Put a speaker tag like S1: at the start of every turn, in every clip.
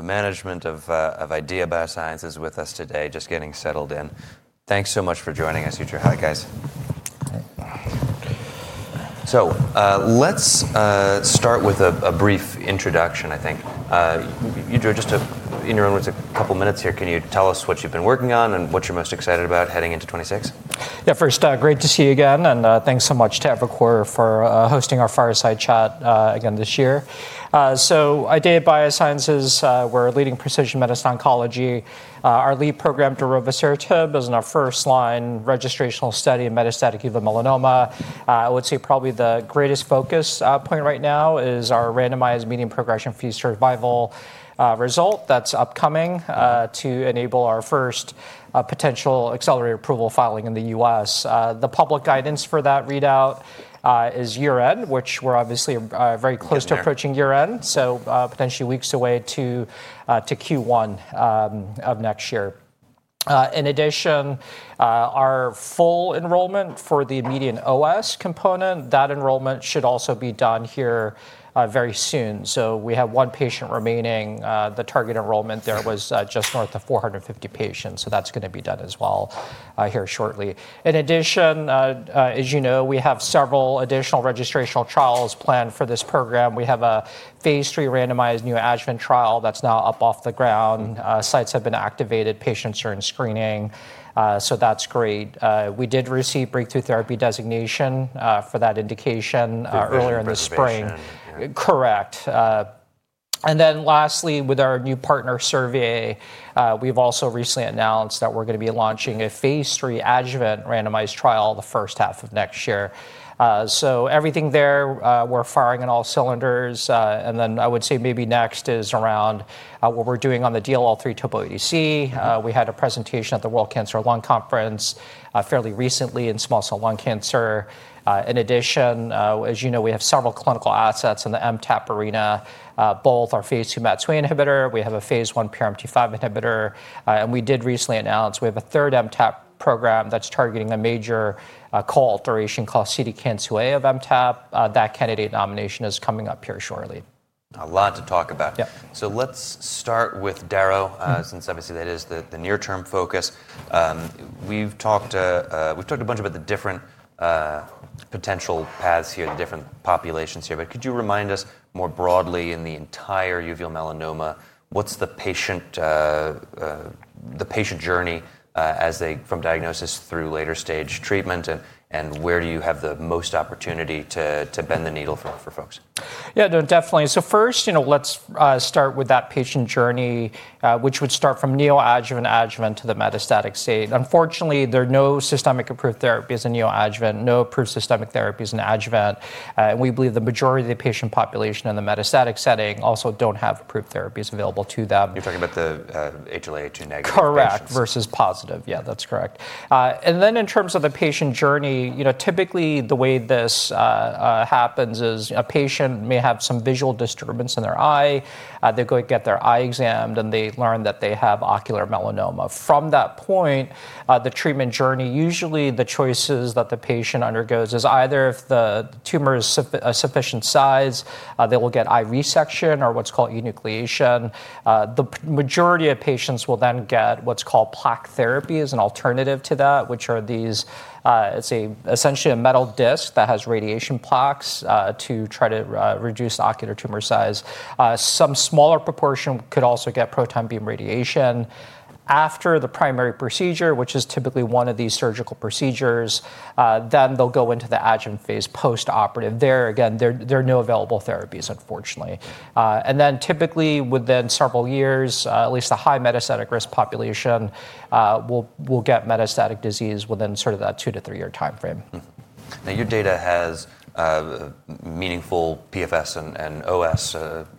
S1: Management of IDEAYA Biosciences with us today, just getting settled in. Thanks so much for joining us, Yuji. Hi, guys.
S2: Hi. So let's start with a brief introduction, I think. Yuji, just in your own words, a couple of minutes here, can you tell us what you've been working on and what you're most excited about heading into 2026? Yeah, first, great to see you again, and thanks so much to Evercore ISI for hosting our fireside chat again this year. So at IDEAYA Biosciences, we're leading precision medicine oncology. Our lead program, Darovasertib, is in our first-line registrational study in metastatic uveal melanoma. I would say probably the greatest focus point right now is our randomized median progression-free survival result that's upcoming to enable our first potential accelerated approval filing in the U.S. The public guidance for that readout is year-end, which we're obviously very close to approaching year-end, so potentially weeks away to Q1 of next year. In addition, our full enrollment for the median OS component, that enrollment should also be done here very soon. So we have one patient remaining. The target enrollment there was just north of 450 patients, so that's going to be done as well here shortly. In addition, as you know, we have several additional registrational trials planned for this program. We have a phase 3 randomized neoadjuvant trial that's now up off the ground. Sites have been activated. Patients are in screening, so that's great. We did receive breakthrough therapy designation for that indication earlier in the spring. Oh, that's great. Correct. And then lastly, with our new Pfizer, we've also recently announced that we're going to be launching a phase three adjuvant randomized trial the first half of next year. So everything there, we're firing on all cylinders. And then I would say maybe next is around what we're doing on the DLL3 topo ADC. We had a presentation at the World Conference on Lung Cancer fairly recently in small cell lung cancer. In addition, as you know, we have several clinical assets in the MTAP arena, both our phase two MAT2A inhibitor. We have a phase one PRMT5 inhibitor. And we did recently announce we have a third MTAP program that's targeting a major co-alteration called CDKN2A of MTAP. That candidate nomination is coming up here shortly. A lot to talk about. Yeah. So let's start with Darovasertib, since obviously that is the near-term focus. We've talked a bunch about the different potential paths here, the different populations here. But could you remind us more broadly in the entire uveal melanoma, what's the patient journey from diagnosis through later stage treatment, and where do you have the most opportunity to bend the needle for folks? Yeah, definitely. So first, let's start with that patient journey, which would start from neoadjuvant adjuvant to the metastatic state. Unfortunately, there are no systemic approved therapies in neoadjuvant, no approved systemic therapies in adjuvant. And we believe the majority of the patient population in the metastatic setting also don't have approved therapies available to them. You're talking about the HLA-A2 negative? Correct versus positive. Yeah, that's correct. And then in terms of the patient journey, typically the way this happens is a patient may have some visual disturbance in their eye. They go get their eye examined, and they learn that they have ocular melanoma. From that point, the treatment journey, usually the choices that the patient undergoes is either if the tumor is sufficient size, they will get eye resection or what's called enucleation. The majority of patients will then get what's called plaque therapy as an alternative to that, which are these. It's essentially a metal disc that has radiation plaques to try to reduce the ocular tumor size. Some smaller proportion could also get proton beam radiation. After the primary procedure, which is typically one of these surgical procedures, then they'll go into the adjuvant phase postoperative. There, again, there are no available therapies, unfortunately. And then typically within several years, at least the high metastatic risk population will get metastatic disease within sort of that two- to three-year time frame. Now, your data has meaningful PFS and OS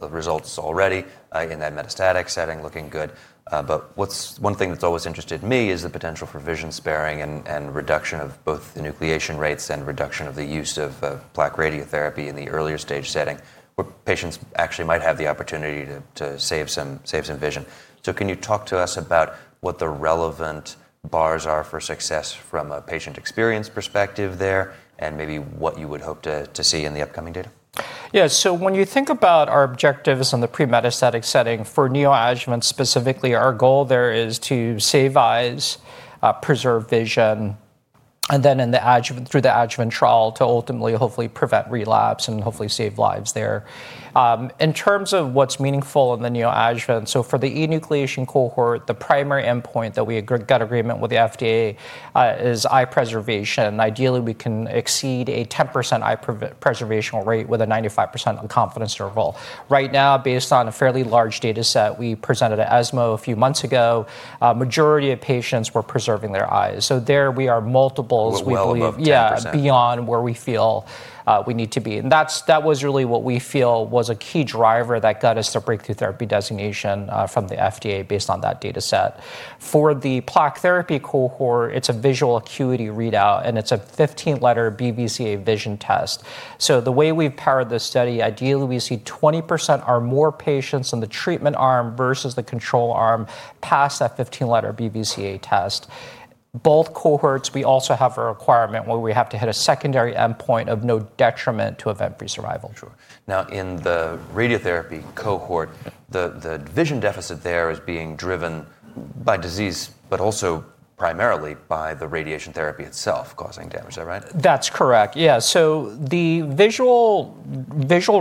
S2: results already in that metastatic setting, looking good. But one thing that's always interested me is the potential for vision sparing and reduction of both enucleation rates and reduction of the use of plaque radiotherapy in the earlier stage setting, where patients actually might have the opportunity to save some vision. So can you talk to us about what the relevant bars are for success from a patient experience perspective there, and maybe what you would hope to see in the upcoming data? Yeah, so when you think about our objectives in the pre-metastatic setting for neoadjuvant specifically, our goal there is to save eyes, preserve vision, and then through the adjuvant trial to ultimately hopefully prevent relapse and hopefully save lives there. In terms of what's meaningful in the neoadjuvant, so for the enucleation cohort, the primary endpoint that we got agreement with the FDA is eye preservation. Ideally, we can exceed a 10% eye preservation rate with a 95% confidence interval. Right now, based on a fairly large data set we presented at ESMO a few months ago, the majority of patients were preserving their eyes. So there we are multiples, we believe. Multiple, yeah. Yeah, beyond where we feel we need to be. And that was really what we feel was a key driver that got us the breakthrough therapy designation from the FDA based on that data set. For the plaque therapy cohort, it's a visual acuity readout, and it's a 15-letter BCVA vision test. So the way we've powered this study, ideally we see 20% or more patients in the treatment arm versus the control arm pass that 15-letter BCVA test. Both cohorts, we also have a requirement where we have to hit a secondary endpoint of no detriment to event-free survival. Now, in the radiotherapy cohort, the vision deficit there is being driven by disease, but also primarily by the radiation therapy itself causing damage, is that right? That's correct. Yeah, so the vision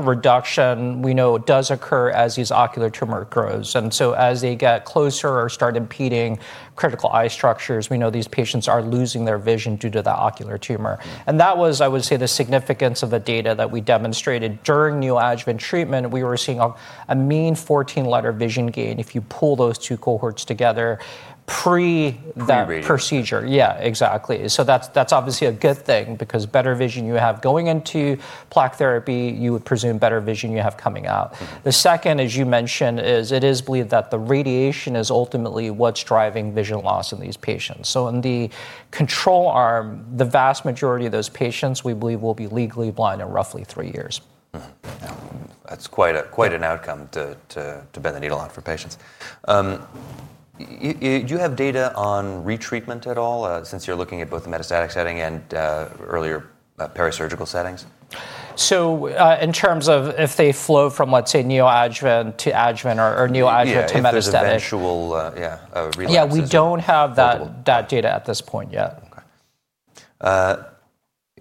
S2: reduction we know does occur as these ocular tumors grow, and so as they get closer or start impeding critical eye structures, we know these patients are losing their vision due to the ocular tumor, and that was, I would say, the significance of the data that we demonstrated during neoadjuvant treatment. We were seeing a mean 14-letter vision gain if you pull those two cohorts together pre that procedure. Pre-radio. Yeah, exactly. So that's obviously a good thing because better vision you have going into plaque therapy, you would presume better vision you have coming out. The second, as you mentioned, is it is believed that the radiation is ultimately what's driving vision loss in these patients. So in the control arm, the vast majority of those patients we believe will be legally blind in roughly three years. That's quite an outcome to bend the needle on for patients. Do you have data on retreatment at all since you're looking at both the metastatic setting and earlier perisurgical settings? So in terms of if they flow from, let's say, neoadjuvant to adjuvant or neoadjuvant to metastatic. Yeah, so the eventual relapse cycle. Yeah, we don't have that data at this point yet. Okay.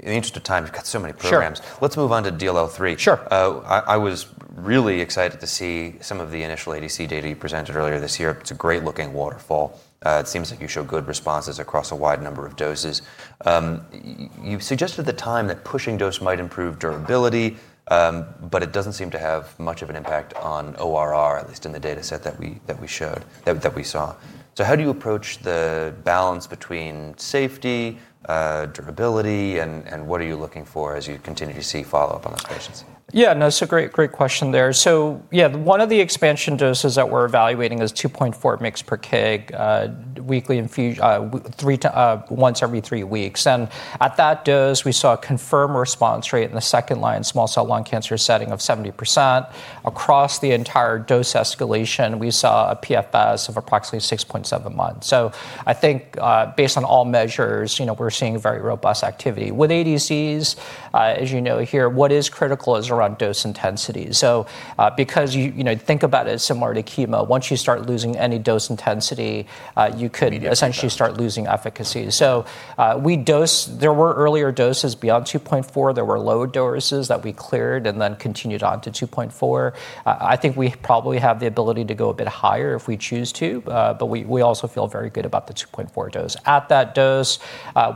S2: In the interest of time, we've got so many programs. Sure. Let's move on to DLL3. Sure. I was really excited to see some of the initial ADC data you presented earlier this year. It's a great-looking waterfall. It seems like you show good responses across a wide number of doses. You suggested at the time that pushing dose might improve durability, but it doesn't seem to have much of an impact on ORR, at least in the data set that we showed, that we saw. So how do you approach the balance between safety, durability, and what are you looking for as you continue to see follow-up on those patients? Yeah, no, that's a great question there. So yeah, one of the expansion doses that we're evaluating is 2.4 mg per kg, weekly infusion, once every three weeks, and at that dose, we saw a confirmed response rate in the second line small cell lung cancer setting of 70%. Across the entire dose escalation, we saw a PFS of approximately 6.7 months, so I think based on all measures, we're seeing very robust activity. With ADCs, as you know here, what is critical is around dose intensity, so because think about it similar to chemo, once you start losing any dose intensity, you could essentially start losing efficacy, so there were earlier doses below 2.4. There were low doses that we cleared and then continued on to 2.4. I think we probably have the ability to go a bit higher if we choose to, but we also feel very good about the 2.4 dose. At that dose,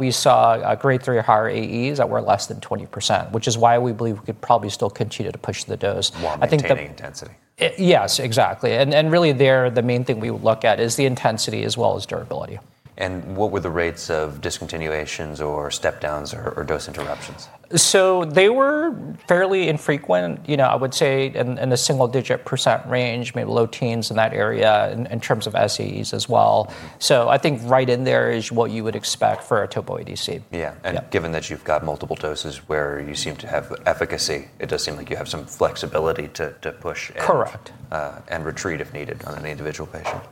S2: we saw grade three or higher AEs that were less than 20%, which is why we believe we could probably still continue to push the dose. More maintaining intensity. Yes, exactly. And really there, the main thing we would look at is the intensity as well as durability. What were the rates of discontinuations or step-downs or dose interruptions? So they were fairly infrequent, I would say, in the single-digit % range, maybe low teens % in that area in terms of SAEs as well. So I think right in there is what you would expect for a topo ADC. Yeah, and given that you've got multiple doses where you seem to have efficacy, it does seem like you have some flexibility to push. Correct. And retreat if needed on an individual patient.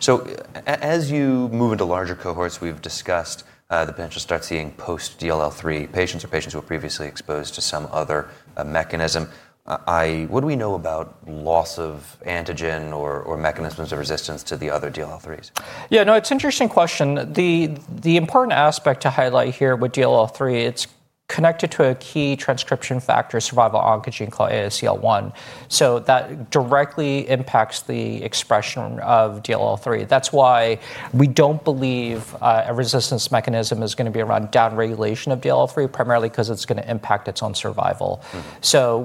S2: So as you move into larger cohorts, we've discussed the potential to start seeing post-DLL3 patients or patients who were previously exposed to some other mechanism. What do we know about loss of antigen or mechanisms of resistance to the other DLL3s? Yeah, no, it's an interesting question. The important aspect to highlight here with DLL3, it's connected to a key transcription factor, survival oncogene called ASCL1. So that directly impacts the expression of DLL3. That's why we don't believe a resistance mechanism is going to be around downregulation of DLL3, primarily because it's going to impact its own survival. So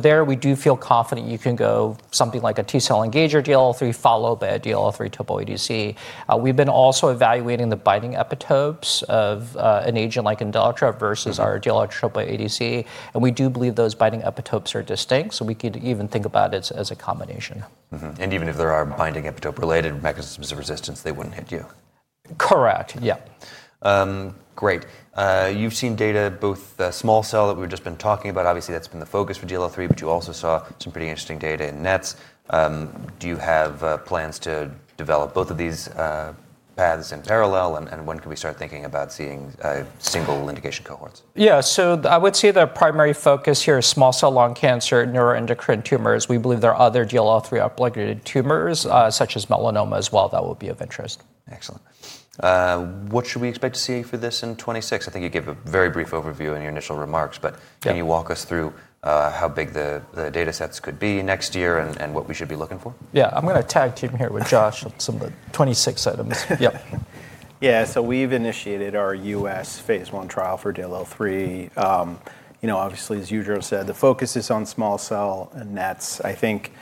S2: there we do feel confident you can go something like a T-cell engager DLL3 followed by a DLL3 topo ADC. We've been also evaluating the binding epitopes of an agent like Imdelltra versus our DLL3 topo ADC. And we do believe those binding epitopes are distinct, so we could even think about it as a combination. And even if there are binding epitope-related mechanisms of resistance, they wouldn't hit you. Correct, yeah. Great. You've seen data both small cell that we've just been talking about. Obviously, that's been the focus for DLL3, but you also saw some pretty interesting data in NETs. Do you have plans to develop both of these paths in parallel, and when can we start thinking about seeing single indication cohorts? Yeah, so I would say the primary focus here is small cell lung cancer, neuroendocrine tumors. We believe there are other DLL3 upregulated tumors, such as melanoma as well, that will be of interest. Excellent. What should we expect to see for this in 2026? I think you gave a very brief overview in your initial remarks, but can you walk us through how big the data sets could be next year and what we should be looking for? Yeah, I'm going to tag team here with Josh on some of the '26 items. Yep.
S3: Yeah, so we've initiated our U.S. phase one trial for DLL3. Obviously, as you said, the focus is on small cell and NETs. I think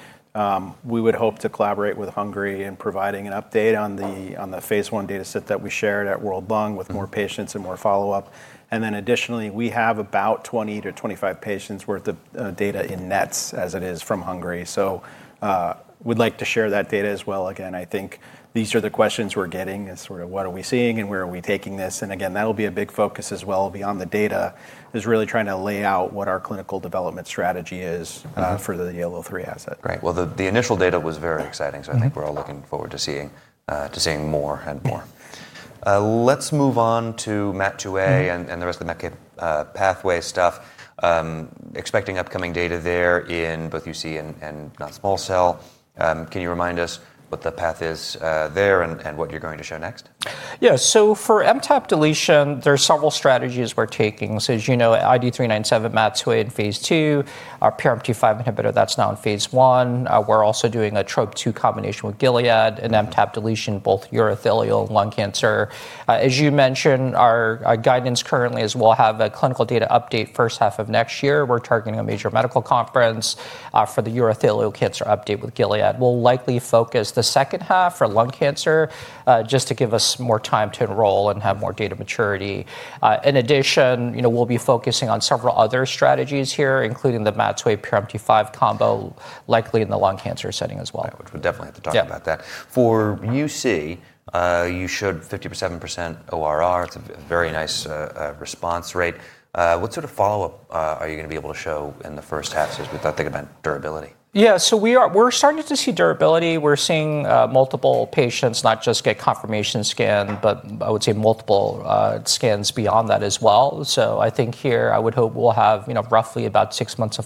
S3: we would hope to collaborate with Hungary in providing an update on the phase one data set that we shared at World Lung with more patients and more follow-up. And then additionally, we have about 20 to 25 patients' worth of data in NETs as it is from Hungary. So we'd like to share that data as well. Again, I think these are the questions we're getting is sort of what are we seeing and where are we taking this? And again, that'll be a big focus as well beyond the data is really trying to lay out what our clinical development strategy is for the DLL3 asset. Right, well, the initial data was very exciting, so I think we're all looking forward to seeing more and more. Let's move on to MAT2A and the rest of the MTAP pathway stuff. Expecting upcoming data there in both UM and non-small cell. Can you remind us what the path is there and what you're going to show next?
S2: Yeah, so for MTAP deletion, there are several strategies we're taking. So as you know, IDE397, MAT2A in phase two, our PRMT5 inhibitor, that's now in phase one. We're also doing a TROP2 combination with Gilead in MTAP deletion, both urothelial and lung cancer. As you mentioned, our guidance currently is we'll have a clinical data update first half of next year. We're targeting a major medical conference for the urothelial cancer update with Gilead. We'll likely focus the second half for lung cancer just to give us more time to enroll and have more data maturity. In addition, we'll be focusing on several other strategies here, including the MAT2A-PRMT5 combo, likely in the lung cancer setting as well. Yeah, we definitely have to talk about that. For UC, you showed 50% to 7% ORR. It's a very nice response rate. What sort of follow-up are you going to be able to show in the first half since we thought they'd have been durability? Yeah, so we're starting to see durability. We're seeing multiple patients not just get confirmation scan, but I would say multiple scans beyond that as well. So I think here I would hope we'll have roughly about six months of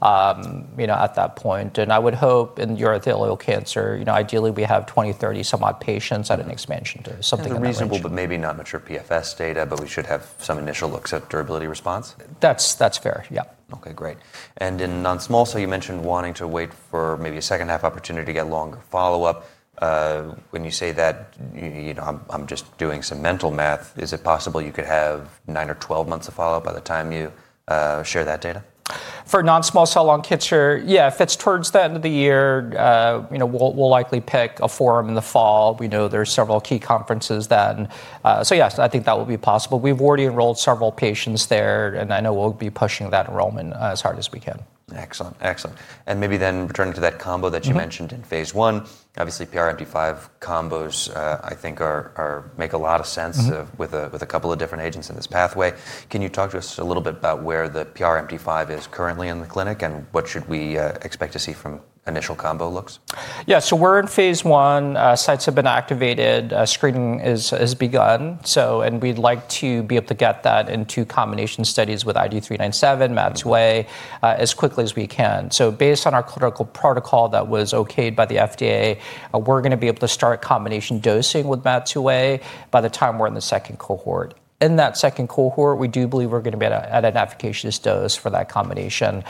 S2: follow-up at that point. And I would hope in urothelial cancer, ideally we have 20, 30 some odd patients at an expansion dose, something like that. Reasonable, but maybe not mature PFS data, but we should have some initial looks at durability response. That's fair, yeah. Okay, great. And in non-small cell, you mentioned wanting to wait for maybe a second half opportunity to get longer follow-up. When you say that, I'm just doing some mental math. Is it possible you could have nine or 12 months of follow-up by the time you share that data? For Non-Small Cell Lung Cancer, yeah, if it's towards the end of the year, we'll likely pick a forum in the fall. We know there are several key conferences then. So yes, I think that will be possible. We've already enrolled several patients there, and I know we'll be pushing that enrollment as hard as we can. Excellent, excellent. And maybe then returning to that combo that you mentioned in phase one, obviously PRMT5 combos, I think make a lot of sense with a couple of different agents in this pathway. Can you talk to us a little bit about where the PRMT5 is currently in the clinic and what should we expect to see from initial combo looks? Yeah, so we're in phase one. Sites have been activated. Screening has begun, and we'd like to be able to get that into combination studies with IDE397, MAT2A as quickly as we can, so based on our clinical protocol that was okayed by the FDA, we're going to be able to start combination dosing with MAT2A by the time we're in the second cohort. In that second cohort, we do believe we're going to be at an efficacious dose for that combination.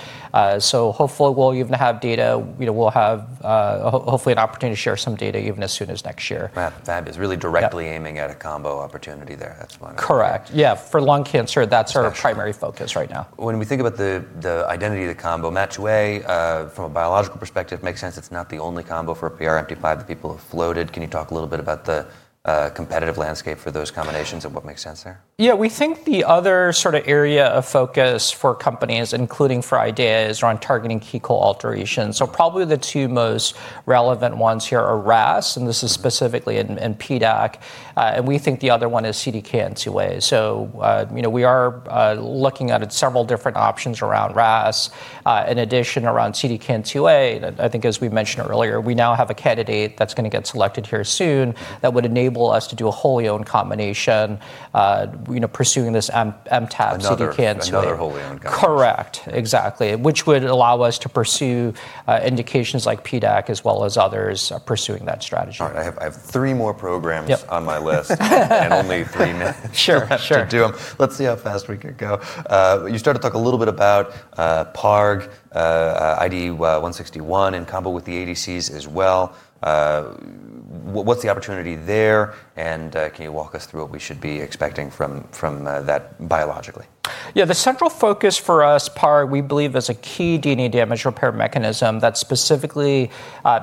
S2: So hopefully we'll even have data. We'll have hopefully an opportunity to share some data even as soon as next year. Matt, that is really directly aiming at a combo opportunity there. That's wonderful. Correct. Yeah, for lung cancer, that's our primary focus right now. When we think about the identity of the combo, MAT2A from a biological perspective makes sense. It's not the only combo for PRMT5 that people have floated. Can you talk a little bit about the competitive landscape for those combinations and what makes sense there? Yeah, we think the other sort of area of focus for companies, including for IDEAYA, is around targeting co-alterations. So probably the two most relevant ones here are RAS, and this is specifically in PDAC. And we think the other one is CDKN2A. So we are looking at several different options around RAS. In addition, around CDKN2A, I think as we mentioned earlier, we now have a candidate that's going to get selected here soon that would enable us to do a wholly owned combination pursuing this MTAP CDKN2A. Another wholly owned combination. Correct, exactly, which would allow us to pursue indications like PDAC as well as others pursuing that strategy. All right, I have three more programs on my list and only three minutes to do them. Let's see how fast we can go. You started to talk a little bit about PARG, IDE161 in combo with the ADCs as well. What's the opportunity there? And can you walk us through what we should be expecting from that biologically? Yeah, the central focus for us, PARG, we believe is a key DNA damage repair mechanism that, specifically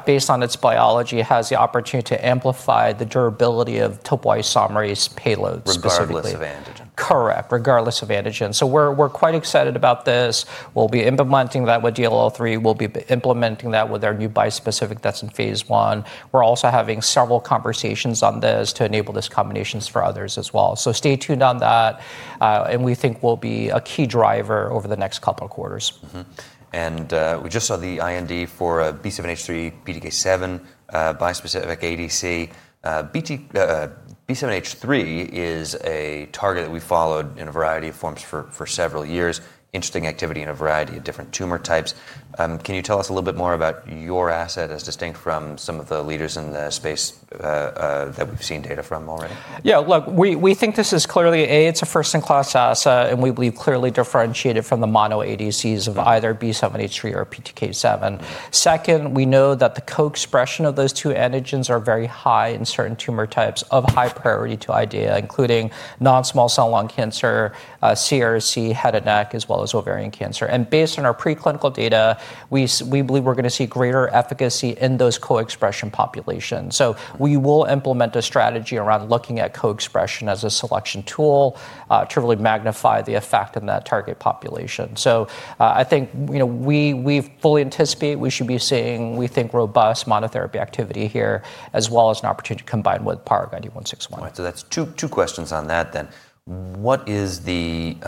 S2: based on its biology, has the opportunity to amplify the durability of topoisomerase payloads specifically. Regardless of antigen. Correct, regardless of antigen. So we're quite excited about this. We'll be implementing that with DLL3. We'll be implementing that with our new bispecific that's in phase 1. We're also having several conversations on this to enable these combinations for others as well. So stay tuned on that. And we think we'll be a key driver over the next couple of quarters. We just saw the IND for B7-H3, PTK7, bispecific ADC. B7-H3 is a target that we followed in a variety of forms for several years. Interesting activity in a variety of different tumor types. Can you tell us a little bit more about your asset as distinct from some of the leaders in the space that we've seen data from already? Yeah, look, we think this is clearly, A, it's a first-in-class asset, and we believe clearly differentiated from the mono ADCs of either B7-H3 or PTK7. Second, we know that the co-expression of those two antigens are very high in certain tumor types of high priority to IDEAYA, including non-small cell lung cancer, CRC, head and neck, as well as ovarian cancer. And based on our preclinical data, we believe we're going to see greater efficacy in those co-expression populations. So we will implement a strategy around looking at co-expression as a selection tool to really magnify the effect in that target population. So I think we fully anticipate we should be seeing, we think, robust monotherapy activity here as well as an opportunity to combine with PARG, IDE161. All right, so that's two questions on that then. Biologically,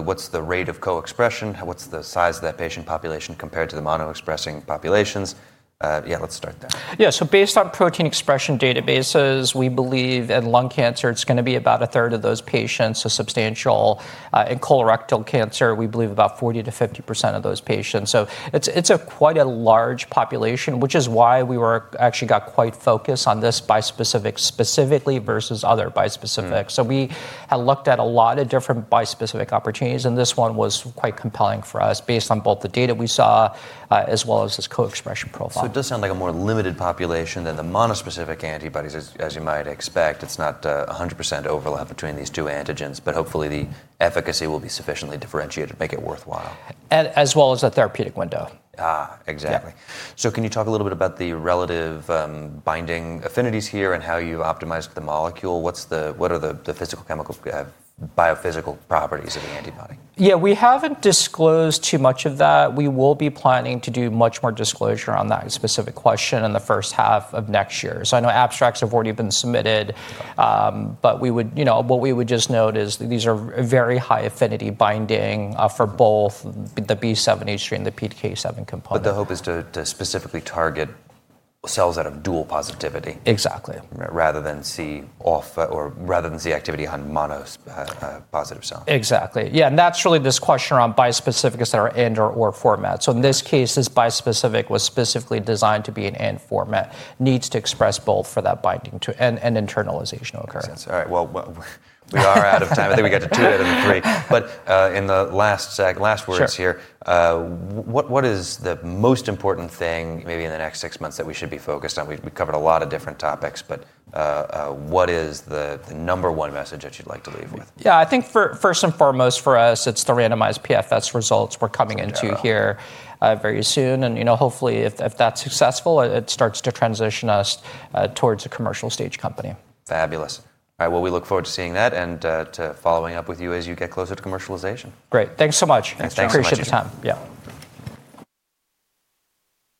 S2: what's the rate of co-expression? What's the size of that patient population compared to the mono expressing populations? Yeah, let's start there. Yeah, so based on protein expression databases, we believe in lung cancer, it's going to be about a third of those patients. So substantial in colorectal cancer, we believe about 40%-50% of those patients. So it's quite a large population, which is why we actually got quite focused on this bispecific specifically versus other bispecific. So we had looked at a lot of different bispecific opportunities, and this one was quite compelling for us based on both the data we saw as well as this co-expression profile. So it does sound like a more limited population than the monospecific antibodies, as you might expect. It's not 100% overlap between these two antigens, but hopefully the efficacy will be sufficiently differentiated to make it worthwhile. As well as a therapeutic window. Exactly. So can you talk a little bit about the relative binding affinities here and how you've optimized the molecule? What are the physicochemical, biophysical properties of the antibody? Yeah, we haven't disclosed too much of that. We will be planning to do much more disclosure on that specific question in the first half of next year. So I know abstracts have already been submitted, but what we would just note is these are very high affinity binding for both the B7-H3 and the PTK7 component. But the hope is to specifically target cells that have dual positivity. Exactly. Rather than see off, or rather than see activity on mono-positive cells. Exactly, yeah. And that's really this question around bispecific as their AND or OR format. So in this case, this bispecific was specifically designed to be an AND format, needs to express both for that binding to and internalization occurrence. All right, well, we are out of time. I think we got to two ends and three. But in the last segment, last words here, what is the most important thing maybe in the next six months that we should be focused on? We've covered a lot of different topics, but what is the number one message that you'd like to leave with? Yeah, I think first and foremost for us, it's the randomized PFS results we're coming into here very soon, and hopefully if that's successful, it starts to transition us towards a commercial stage company. Fabulous. All right, well, we look forward to seeing that and to following up with you as you get closer to commercialization. Great, thanks so much. Thanks for your time. Appreciate the time, yeah.